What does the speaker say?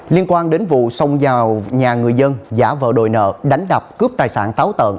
liên quan đến vụ xông vào nhà người dân giả vào đòi nợ đánh đập cướp tài sản táo tợn